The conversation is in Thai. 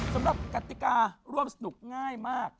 สำหรับกติการร่วมสนุกง่ายมาก